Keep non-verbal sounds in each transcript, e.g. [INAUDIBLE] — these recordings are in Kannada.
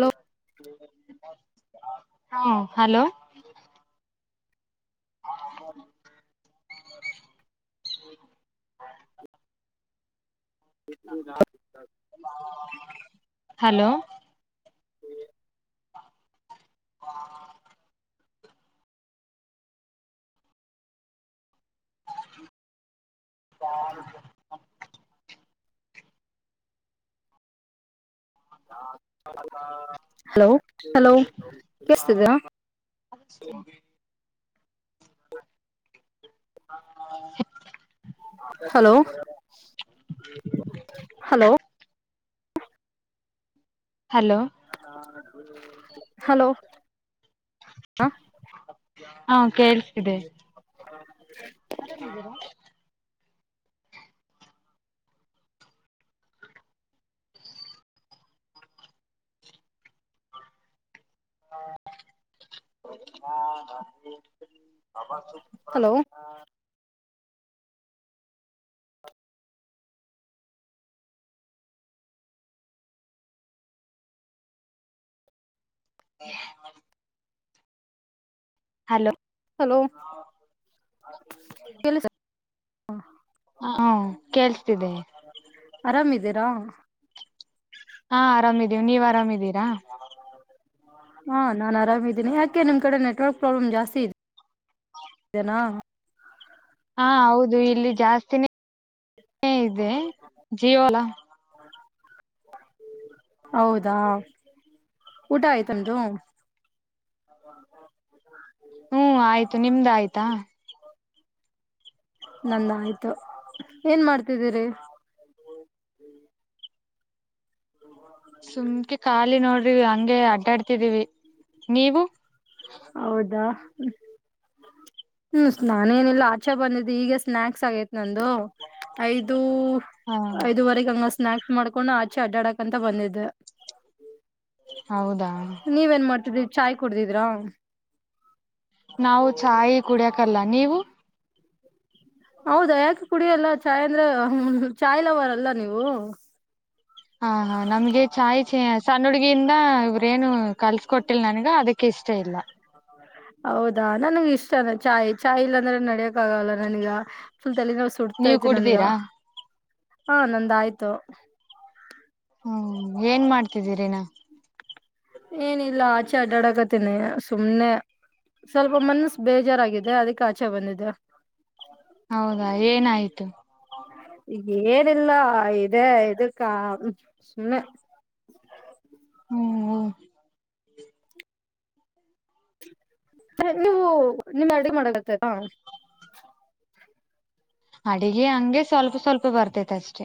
ಹಲೋ. ಹಾ hello. [INAUDIBLE] Gurunath hello. [INAUDIBLE] [INAUDIBLE] Hello hello ಕೆಳಸ್ತಿದೆಯಾ? ಅಷ್ಟೇ [INAUDIBLE] ಹಲೋ ಹಲೋ. ಹಲೋ. ಹಲೋ ಹ ಹಾ ಕೆಳಸ್ತಿದೆ. [INAUDIBLE] ಆರಾಮಿದ್ದೀರಾ? [INAUDIBLE] ಹಲೋ. [INAUDIBLE] ಹಲೋ. ಹಲೋ. ಕೇಳಿಸ್ [INAUDIBLE] [UNINTELLIGIBLE] ಹ ಹ್ಮ ಕೇಳ್ಸತಿದೆ. ಆರಾಮ ಇದೀರಾ. ಹಾ ಆರಾಮಿದೀವಿ ನೀವ ಆರಾಮ ಇದೀರಾ. ಹಾ ನಾನ ಆರಾಮ ಇದೀನಿ ಯಾಕೆ ನಿಮ್ಮ ಕಡೆ ನೆಟ್ವರ್ಕ್ ಪ್ರಾಬ್ಲಮ್ ಜಾಸ್ತಿ ಇದೆ. ನಾ. ಹಾ ಹೌದು ಇಲ್ಲಿ ಜಾಸ್ತಿನೇ ಇದೆ ಜಿಯೋ ಅಲ್ಲ. ಹೌದಾ ಊಟ ಆಯ್ತ ನಿಮ್ದು. [INAUDIBLE] [INAUDIBLE] ಹು ಆಯ್ತು ನಿಮ್ದ ಆಯ್ತಾ? ನಂದ ಆಯ್ತು ಏನ ಮಾಡ್ತಿದ್ದೀರಿ?. ಸುಮ್ಕೆ ಖಾಲಿ ನೋಡ್ರಿ ಹಂಗೆ ಅಡ್ಡಾಡ್ತಿದೀವಿ ನೀವು. ಹೌದಾ. ಹ್ಮ್ ನಾನೇನಿಲ್ಲ ಆಚೆ ಬಂದಿದ್ದು ಈಗ ಸ್ನಾಕ್ಸ್ ಆಗೇತ ನಂದು. ಐದು ಹ ಐದುವರೆಗ ಹಂಗ ಸ್ನಾಕ್ಸ್ ಮಾಡ್ಕೊಂಡ ಹಂಗ ಆಚೆ ಅಡ್ಡಾಡಕ ಅಂತ ಬಂದಿದ್ದೆ. ಹೌದಾ. ನೀವ ಏನ್ ಮಾಡ್ತಿದ್ರಿ ಚಾಯ ಕುಡದಿದ್ರಾ. ನಾವು ಚಾಯ್ ಕುಡಿಯಕಲ್ಲ ನೀವು. ಹೌದಾ ಯಾಕೆ ಕುಡಿಯೆಲ್ಲ ಚಾಯ್ ಅಂದ್ರೆ ಚಾಯ ಲವರ್ ಅಲ್ಲ ನೀವು. ಹಾ ಹಾ ನಮ್ಗೆ ಚಾಯ್ ಚ ಸಣ್ಣ ಹುಡ್ಗಿಯಿಂದ ಇವ್ರೇನು ಕಲ್ಸ ಕೊಟ್ಟಿಲ ನನ್ಗ ಅದಕ್ಕೆ ಇಷ್ಟ ಇಲ್ಲ. ಹೌದಾ ನನ್ಗೆ ಇಷ್ಟ ಚಾಯ್ ಚಾಯ್ ಇಲ್ಲಾಂದ್ರ ನಡಿಯಕ್. ಕ ಹಾಗಲ್ಲ ನನಗ ಫುಲ್ ತಲಿನೂ ನೀವ್ ಸುಡತೈತಿ ನನಗ. ಕುಡ್ದೀರಾ ಹಾ ನಂದ ಆಯ್ತು. ಹ್ಮ್ ಏನ ಮಾಡ್ತಿದ್ದೀರಿ ಇನ. ಏನಿಲ್ಲ ಆಚೆ ಅಡ್ಡಾಡಕತೇನಿ ಸುಮ್ನೆ. ಸ್ವಲ್ಪ ಮನ್ಸ ಬೇಜಾರಾಗಿದೆ ಅದಕ್ಕೆ ಆಚೆ ಬಂದಿದೆ. ಹೌದಾ ಏನಾಯ್ತು [INAUDIBLE] ಈಗ ಏನಿಲ್ಲ ಇದೆ ಇದಕ್ಕ ಸುಮ್ನೆ. ಹ್ಮ ಹ್ಮ್. ನೀವು ನಿಮ್ಮ ಅಡಗೆ ಮಾಡಕ. [UNINTELLIGIBLE] ಅಡಿಗೆ ಹಂಗೆ ಸ್ವಲ್ಪ ಸ್ವಲ್ಪ ಬರ್ತೇತಿ ಅಷ್ಟೇ.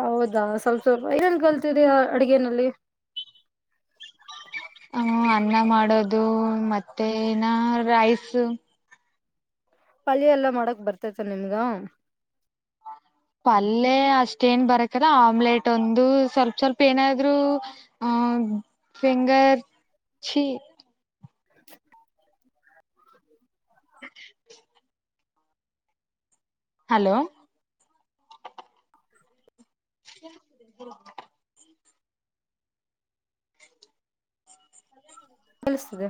ಹೌದಾ ಸ್ವಲ್ಪ ಸ್ವಲ್ಪ ಏನನ ಕಲ್ತಿದಿರಾ ಅಡಗೆನಲ್ಲಿ. ಹ ಅನ್ನ ಮಾಡೋದು ಮತ್ತೆ ನಾ ರೈಸ್. ಪಲ್ಯ ಎಲ್ಲಾ ಮಾಡಕ ಬರ್ತೈತ ನಿಮಗ. ಪಲ್ಯೆ ಅಷ್ಟೇನ ಬರಕಿಲ್ಲಾ ಆಮ್ಲೆಟ್ ಒಂದು ಸ್ವಲ್ಪ ಸ್ವಲ್ಪ ಏನಾದ್ರು. ಆ finger chi. [INAUDIBLE] [INAUDIBLE] Hello. [INAUDIBLE] [INAUDIBLE] ಅನ್ಸತ್ತದ.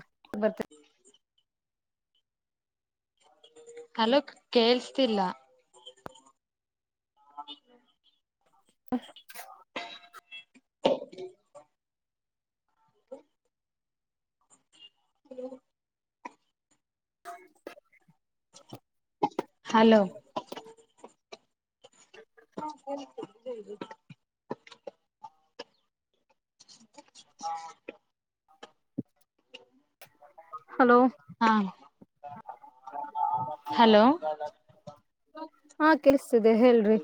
Hello ಕೇೇಳಸ್ತಿಲ್ಲ. [INAUDIBLE] [UNINTELLIGIBLE] How ಹ [UNINTELLIGIBLE] ಹ್ಮ ಹ [UNINTELLIGIBLE] ಹಲೋ ಹಾ ಹ [UNINTELLIGIBLE] ಹಲೋ ಹಾ ಹಲೋ ಹಾ ಕೆಲ್ಸ್ತಿದೆ ಹೇಳ್ರಿ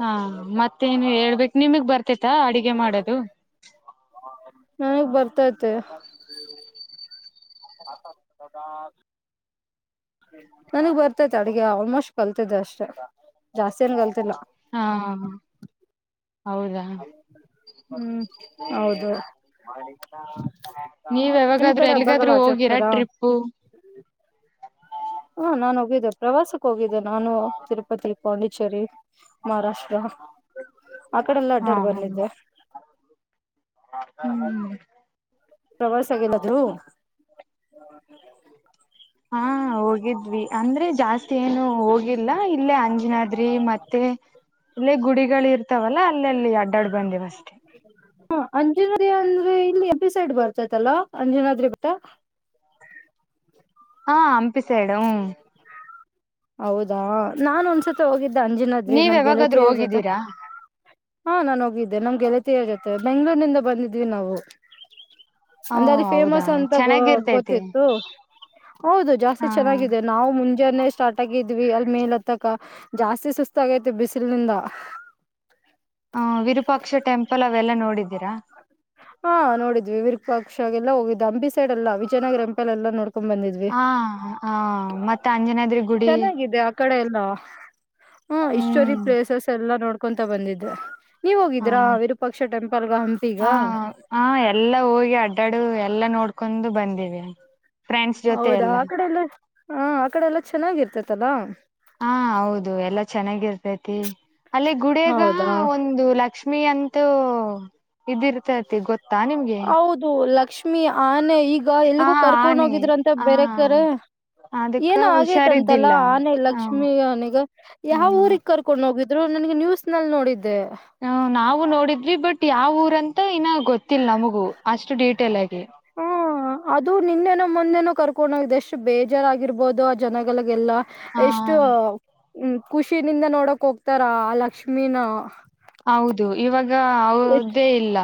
ಹಾ ಮತ್ತೇನು ಹೇಳ್ಬೇಕ ನಿಮಗ್ ಬರ್ತೆೇತ ಅಡಿಗೆ ಮಾಡೋದು ನನಗ್ ಬರ್ತೈತೆ ಹದ ನನಗ್ ಬರ್ತೈತೆ ಅಡಗೆ ಆಲ್ಮೋಸ್ಟ್ ಕಲ್ತಿದೆ ಅಷ್ಟೆ ಜಾಸ್ತಿಯನ್ ಕಲ್ತಿಲ್ಲ ಹಾ ಹಾ ಹ ಹೌದಾ ಹ್ಮ್ ಹೌದು ನೀವ್ ನಿಮ್ ಯಾವಾಗಾದ್ರೂ ಕಡೆ ಹಬ್ಬಾಗಲ್ಲ ಎಲ್ಗಾದ್ರೂ ಹೋಗಿರಾ ಆಚರಿಸತಾರಾ ಟ್ರಿಪ್ಪು ಹಾ ನಾನು ಹೋಗಿದ್ದೆ ಪ್ರವಾಸಕ್ ಹೋಗಿದ್ದೆ ನಾನು ತಿರುಪತಿ ಪಾಂಡಿಚೇರಿ ಮಹಾರಾಷ್ಟ್ರ ಆ ಕಡೆ ಎಲ್ಲ ಹಾ ಅಡ್ಡಾಡ್ ಹ ಬಂದಿದ್ದೆ ಹ್ಮ ಪ್ರವಾಸ ಆಗಲ್ಲಾದ್ರು ಹ ಹಾ ಹ [UNINTELLIGIBLE] ಹೋಗಿದ್ವಿ ಅಂದ್ರೆ ಜಾಸ್ತಿ ಏನು ಹೋಗಿಲ್ಲ ಇಲ್ಲೇ ಅಂಜನಾದ್ರಿ ಮತ್ತೆ ಅಲ್ಲೇ ಗುಡಿಗಳು ಇರ್ತಾವಲ್ಲಾ ಅಲ್ಲ ಅಲ್ಲಿ ಅಡ್ಡಾಡ್ ಬಂದಿವ್ ಅಷ್ಟೆ ಹಾ ಅಂಜನಾದ್ರಿ ಅಂದ್ರೆ ಇಲ್ಲಿ ಎ ಬಿ ಸೈಡ್ ಬರ್ತೈತಲ್ಲಾ ಅಂಜನಾದ್ರಿ ಬುಟ ಹ ಅಂಪಿಸಡು ಹ ಹೌದಾ ನಾನ ಒಂದ್ಸತಿ ಹೋಗಿದ್ದ ಅಂಜನದ್ರಿ ನೀವ್ ನಮ್ಗೆಲ್ಲ ಯಾವಾಗಾದ್ರೂ ತಿರ ಜೊತೆ ಹೋಗಿದ್ದೀರಾ ಹಾ ನಾನ್ ಹೋಗಿದ್ದೆ ನಮ್ಗೆಳತಿಯ ಜೊತೆ ಬೆಂಗ್ಗಳೂರ್ನಿಂದ ಬಂದಿದ್ವಿ ನಾವು ಹ ಅಂದೆ ಅಲ್ಲಿ ಹೌದಾ ಫೇಮಸ್ ಅಂತ ಗ ಚೆನ್ನಾಗಿರ್ತೈತಿ ಗೊತ್ತಿತ್ತು ಹೌದು ಜಾಸ್ತಿ ಹಾ ಚೆನ್ನಾಗಿದೆ ನಾವು ಮುಂಜಾನೆ ಸ್ಟಾರ್ಟ್ ಆಗಿದ್ವಿ ಅಲ್ ಮೇಲ ಹತ್ತಕ ಜಾಸ್ತಿ ಸುಸ್ತ ಆಗೈತಿ ಬಿಸಿಲನಿಂದ ಹ ವಿರೂಪಾಕ್ಷ ಟೆಂಪಲ್ ಅವೆಲ್ಲಾ ನೋಡಿದ್ದೀರಾ ಹಾ ನೋಡಿದ್ವಿ ವಿರಕ್ಪಾಕ್ಷಾಗ ಎಲ್ಲ ಹೋಗಿದ್ದ್ ಹಂ ಸೈಡ್ ಎಲ್ಲಾಜಯನಗರ ಎಂಪ ಎಲ್ಲ ನೋಡ್ಕೊಂಡ್ ಬಂದ್ವಿ ಹಾ ಹ ಮತ್ತೆ ಅಂಜನಾದ್ರಿ ಗುಡಿ ಚೆನ್ನಾಗಿದೆ ಆ ಕಡೆ ಎಲ್ಲ ಹ್ಮ ಇಸ್ಟೋರಿಕ್ ಹ್ಮ್ ಪ್ಲೇಸಸ್ ಎಲ್ಲಾ ನೋಡ್ ಹಕೊಂತ ಬಂದಿದ್ದೆ ನೀವ್ ಹ ಹೋಗಿದಿರಾ ವಿರೂಪಾಕ್ಷ ಟೆಂಪಲ್ಗ ಹಂಪಿಗ ಹಾ ಎಲ್ಲಾ ಹೋಗಿ ಅಡ್ಡಾಡು ಎಲ್ಲಾ ನೋಡ್ಕೊಂಡು ಬಂದಿವವಿ ಹೌದಾ ಆ ಕಡೆ ಎಲ್ಲ ಹ ಆ ಕಡೆ ಎಲ್ಲ ಚೆನ್ನಾಗಿರ್ತೇತಲ್ಲಾ ಹಾ ಹೌದು ಎಲ್ಲಾ ಚೆನ್ನಾಗಿರ್ತೈತಿ ಅಲ್ಲಿ ಗುಡಿಯಾಗ ಹೌದಾ ಒಂದು ಲಕ್ಷ್ಮಿ ಅಂತೂ ಇದಿರ್ ಅತಿ ಗೊತ್ತಾ ನಿಮ್ಗೆ ದು ಲಕ್ಷ್ಮಿ ಆನೆ ಈಗ ಹ ಎಲ್ಗೂ ಕರ್ಕೊಂಡ್ ಆನೆ ಹೋಗಿದ್ರ ಅಂತ ಹ ಬೇರೆಕರ್ ಅದಕ್ಕ ಏನ ಆಗೇತಂತಲ್ಲ ಹುಷಾರಿದ್ದಿಲ್ಲ ಆನೆ ಹ ಲಕ್ಷ್ಮೀ ಆನಿಗ ಯಾವ ಹ್ಮ್ ಊರಿಗ್ ಕರ್ ಕಕೊಂಡು ಹೋಗಿದ್ರು ನನ್ಗೆ ನ್ಯೂಸ್ ನಲ್ಲಿ ನೋಡಿದ್ದೆ ಹ ನಾವು ನೋಡಿದ್ವಿ ಬಟ್ ಯಾವ ಊರಂತ ಇನ್ನ ಗೊತ್ತಿಲ್ಲ ನಮಗೂ ಅಷ್ಟು ಡೀಟೇಲ್ ಆಗಿ ಹ್ಮ ಅದು ನಿನ್ನೆನೋ ಮುಂದೆನೋ ಕರ್ಕೊಂಡು ಹೋಗಿದೆ ಎಷ್ಟು ಬೇಜಾರಾಗಿರ್ಬೋದು ಆ ಜನಗಳಿಗೆಲ್ಲ ಹ ಎಷ್ಟು ಖುಷಿನಿಂದ ನೋಡಕ್ ಹೋಗ್ತಾರ ಆ ಲಕ್ಷ್ಮಿನ ಹೌದು ಇವಾಗ ಎಷ್ಟ್ ಹದೇ ಇಲ್ಲ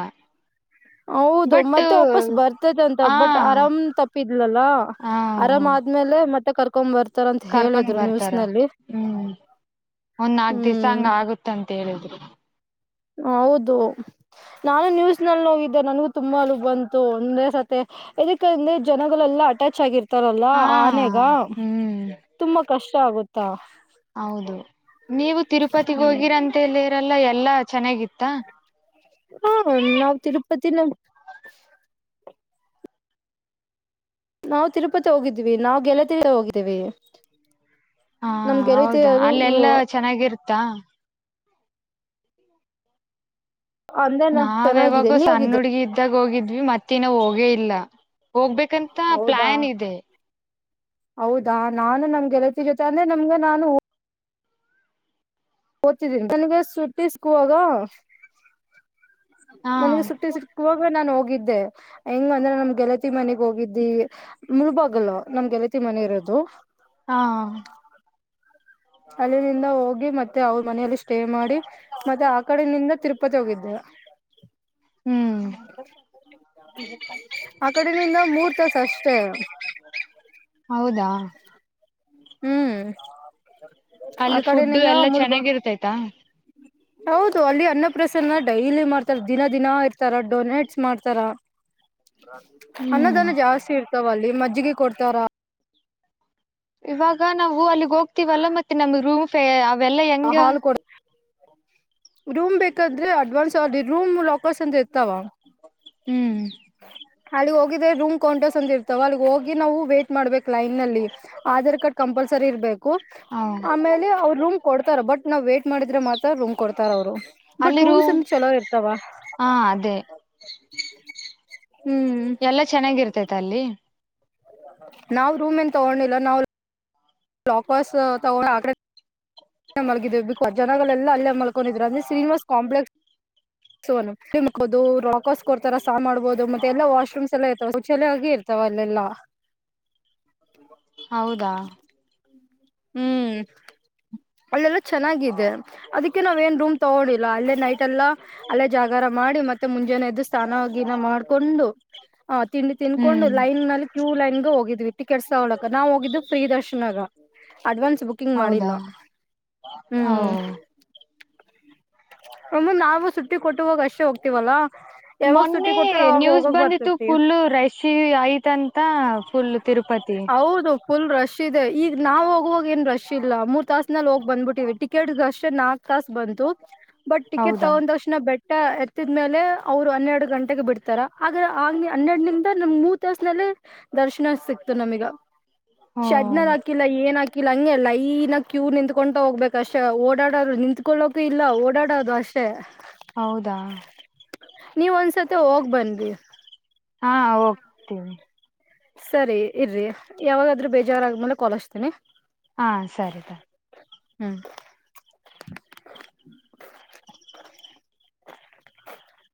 ಹೌದು ಬಟ್ ಮತ್ತೆ ವಾಪಸ್ ಬರ್ತದ ಅಂತ ಆ ಬಟ್ ಆರಾಮ್ ತಪ್ಪಿದ್ಲಲ್ಲ ಹ ಆರಾಮ್ ಆದ್ಮೇಲೆ ಮತ್ತೆ ಕರ್ಕೊ್ ಬರ್ತ ಕರ್ಕೊಂಡ್ ಬರ್ತಾರ ಹ್ಮ್ ಒಂದ್ ನಾಕ್ ದಿವಸ ಹ್ಮ್ ಹಂಗ ಆಗುತ್ತ ಅಂತ ಹೇಳಿದ್ ಹೌದು ನಾನು ನ್ಯೂಸ್ ನಲ್ಲಿ ನೋಗಿದ್ದೆ ನನಗು ತುಂಬಾ ಅಲ ಬಂತು ಒಂದೆ ಸತಿ ಇದಕ್ಕಂದ್ರೆ ಜನಗಳೆಲ್ಲಾ ಅಟ್ಯಾಚ್ ಆಗಿರ್ತಾರಲ್ಲ ಹಾ ಆನೆಗ ಹ್ಮ್ ತುಂಬಾ ಕಷ್ಟ ಆಗುತ್ತಾ ಹೌದು ನೀವು ತಿರುಪತಿಗ್ ಹೋಗಿರಂತಲ್ಲಿರೆಲ್ಲ ಎಲ್ಲಾ ಚೆನ್ನಾಗಿತ್ತ ಹಾ ನಾವ್ ತಿರುಪತಿನ ನಾವು ತಿರುಪತಿ ಹೋಗಿದ್ದೀವಿ ನಾವು ಗೆಳತಿರಿ ಹೋಗಿದ್ದೀವಿ ಹಾ ನಮ್ ಹೌದಾ ಗೆಳತಿಯರು ಅಲ್ಲೆಲ್ಲಾ ಚೆನ್ನಾಗಿರುತ್ತಾ ಅಂದ್ರೆ ನಮ್ ನಾವ ಚೆನ್ನಾಗಿದೆ ಯಾವಾಗೂ ನೀವ್ ಸಣ್ಣ ಹೋಗಿದ್ರ ಹುಡ್ಗಿ ಇದ ತ್ತಾಗ ಹೋಗಿದ್ವಿ ಮತ್ತೇನೋ ಹೋಗೇ ಇಲ್ಲ ಹೋಗ್ಬೇಕಂತ ಹೌದಾ ಪ್ಲಾನ್ ಇದೆ ಹೌದಾ ನಾನು ನಮ್ ಗೆಲತಿ ಜೊತೆ ಅಂದ್ರೆ ನಮ್ಗ್ ನಾನು ಓದ್ತಿದ್ದೀನಿ ನನಗ ಸುಟ್ಟಿ ಸಿಕ್ವಾಗ ಹಾ ನನಗೆ ಸುಟ್ಟಿ ಸಿ ಕುವಾಗ ನಾನ್ ಹೋಗಿದ್ದೆ ಹೆಂಗ ಅಂದ್ರೆ ನಮ್ ಗೆಲತಿ ಮನೆಗ್ ಹೋಗಿದ್ದೀ ಮೂಳ್ಬಾಗ್ಲೂ ನಮ್ಗೆಲತಿ ಮನೆ ಇರೋದು ಹಾ ಅಲ್ಲಿನಿಂದ ಹೋಗಿ ಮತ್ತೆ ಅವ್ರ್ ಮನೆಯಲ್ಲಿ ಸ್ಟೇ ಮಾಡಿ ಮತ್ತೆ ಆ ಕಡೆನಿಂದ ತಿರುಪತಿ ಹೋಗಿದ್ದೆ ಹ್ಮ್ ಆ ಕಡೆನಿಂದ ಮೂರ್ ತಾಸ್ ಅಷ್ಟೇ ಹೌದಾ ಹ್ಮ್ ಆ ಅಲ್ಲಿ ಫುಡ್ ಕಡಿನಿಂದ ಎಲ್ಲಾ ಮುಳಬ ಚೆನ್ನಾಗಿರ್ತೈತಾ ಹೌದು ಅಲ್ಲಿ ಅನ್ನಪ್ರಸನ್ನ ಡೈಲಿ ಮಾಡ್ತಾರ ದಿನ ದಿನ ಇರ್ತಾರ ಡೊನೇಟ್ಸ್ ಮಾಡ್ತಾರ ಹ್ಮ್ ಅನ್ನದಾನ ಜಾಸ್ತಿ ಇರ್ತವ ಅಲ್ಲಿ ಮಜ್ಜಿಗೆ ಕೊಡ್ತಾರ ಇವಾಗ ನಾವು ಅಲ್ಲಿಗ್ ಹೋಗ್ತೀವಲ್ಲ ಮತ್ತೆ ನಮ್ಗ್ ರೂಮ್ ಫೆ ಅವೆಲ್ಲ ಹೆಂಗೆ ಹಾಲ್ ಕೊಡ್ ರೂಮ್ ಬೇಕಾದ್ರೆ ಅಡ್ವಾನ್ಸ್ ಅವ್ರ್ದೆ ರೂಮ್ ಲಾಕರ್ಸ್ ಅಂದ್ರೆ ಇರ್ತವ ಹ್ಮ್ ಅಲ್ಲಿಗ್ ಹೋಗಿದೆ ರೂಮ್ ಕೌಂಟಸ್ ಅಂತ ಇರ್ತಾವ ಅಲ್ಲಿಗ್ ಹೋಗಿ ನಾವು ವೇಟ್ ಮಾಡ್ಬೇಕ ಲೈನ್ಲ್ಲಿ ಆಧಾರ್ ಕಾರ್ಡ್ ಕಂಪಲ್ಸರಿ ಇರ್ಬೇಕು ಹ ಆಮೇಲೆ ಅವ್ರೂಮ್ ಕೊಡ್ತಾರ ಬಟ್ ನಾವ್ ವೇಟ್ ಮಾಡಿದ್ರೆ ಮಾತ್ರ ರೂಮ್ ಕೊಡ್ತಾರ ಅವರು ಬಟ್ ಅಲ್ಲಿ ರೂಮ್ಸ್ ರೂಮ್ ಇಂದ ಚಲೋ ಇರ್ತವ ಹಾ ಅದೇ ಹ್ಮ್ ಎಲ್ಲಾ ಚೆನ್ನಾಗಿರ್ತೈತೆ ಅಲ್ಲಿ ನಾವ್ ರೂಮ್ಏನ್ ತಗೊಂಡಿಲ್ಲ ನಾವ್ ಲ್ಲಾಕರ್ಸ್ ಅವ ಆಗ್ರ ಮಲಗಿದೀವು ಬೇಕು ಜನಗಳಲ್ಲ ಅಲ್ಲೇ ಮಲ್ಕೊಂಡಿದ್ರ ಅ್ರ ಶ್ರೀನಿವಾಸ್ ಕಾಂಪ್ಲೆಕ್ಸ್ ಸೋ ಮ್ ಹೋದು ರಾಕರ್ಸ್ರ್ತರ ಸಾ ಮಾಡ್ಬಹುದು ಮತ್ತೆ ಎಾ ವಾಶ್ರೂಮ್ಸ್ ಎಲ್ಲ ಐತುಚೆ ಆಗಿ ತವಲ್ಲೆಲ್ಲ ಹೌದಾ ಹ್ಮ್ ಅಲ್ಲೆಲ್ಲ ಚೆನ್ನಾಗಿದೆ ಅದಕ್ಕೆ ನಾವ್ ಏನ್ ರೂಮ್ ತಗೊಂಡಿಲ್ಲ ಅಲ್ಲೇ ನೈಟ್ ಎಲ್ಲ ಅಲ್ಲೇ ಜಾಗರ ಮಾಡಿ ಮತ್ತೆ ಮುಂಜಾನೆ ಎದ್ದು ಸ ಸಾನ ಗಿನ ಮಾಡ್ಕೊಂಡು ಹ ತಿಂಡಿ ತಿನ್ಕೊಂಡು ಹ್ಮ್ ಲೈನ್ನಲ್ಲಿ ಕ್ಯೂ ಲೈನ್ ಹೋಗಿದ್ವಿ ಟಿಕೆಟ್ಸ್ ತಗೊಳ್ಳಕ ನಾವು ಹೋಗಿದ್ದ್ ಫ್ರೀ ದರ್ಶನಗ ಅಡ್ವಾನ್ಸ್ ಬುಕಿಂಗ್ ಹೌದಾ ಮಾಡಿಲ್ಲ ಓ ಹ್ಮ್ ಒಮ್ಮ ನಾವು ಸುಟ್ಟಿ ಕೊಟ್ಟವಾಗ ಅಷ್ಟೇ ಹೋಗ್ತಿವಲ್ಲಾ ಯಾವಾಗ ಮೊನ್ನೆ ಸುಟ್ಟಿ ಕೊಡ್ತಾರ ಅವಾಗ ನ್ಯೂಸ್ ಹೋಗಕ್ ಬಂದಿತ್ತು ಬರ್ತತಿ ಫುಲ್ಲು ರಶ್ ಐತಂತ ಫುಲ್ಲ್ ತಿರುಪತಿ ಹೌದು ಫುಲ್ ರಶ್ ಇದೆ ಈಗ ನಾವು ಹೋಗುವಾಗ ಏನ್ ರಶ್ ಇಲ್ಲ ಮೂರ್ ತಾಸ್ನಲ್ಲಿ ಹೋಗಿ ಬಂದ್ಬಿಟ್ಟಿವಿ ಟಿಕೆಟ್ಗಷ್ಟೆ ನಾಕ ಕಸ್ ಬಂತು ಬಟ್ ಟಿಕೆಟ್ ಹೌದಾ ತಗೊಂಡಷ್ಟ್ ಲ ಬೆಟ್ಟ ಎರ್ತ್ತಿದ್ ಮೇಲೆ ಅವ್ರು ಹನ್ನೆರಡು ಗಂಟೆಗೆ ಬಿಡ್ತಾರ ಆಗ ಆಗ್ನ್ ಹನ್ನೆರಡ್ನಿಂದ ನಮ್ ಮೂ ಸ್ನಲ್ಲ ದರ್ಶನ ಸಿಕ್ತು ನಮೀಗ ಶಡ್ನ ಹಾಕಿ ಹ್ಮ ಹಾಕಿಲ್ಲ ಏನ್ ಹಾಕಿಲ್ಲ ಹಂಗೆ ಲೈನ ಕ್ಯೂ ನಿತ್ಕೊತಾ ಹೋಗ್ಬೇಕ ಅಷ್ಟೆ ಓಡಾಡೋ್ರು ನಿಂತ್ಕೊಳ್ಳಕ್ ಇಲ್ಲ ಓಡಾಡೋದು ಅಷ್ಟೇ ಹೌದಾ ನೀವ ಒಂದ್ಸತಿ ಹೋಗ್ ಬನ್ಿ ಹಾ ಹೋಗ್ತೇವಿ ಸರಿ ಇರ್ರಿ ಯಾವಾಗಾದ್ರೂ ಬೇಜಾರಾದ್ಮೇಲೆ ಕೋಲಸ್್ತೇನಿ ಹಾ ಸರಿ ಹ್ಮ್